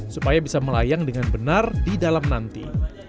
supaya bisa melayang dengan benar di dalam nanti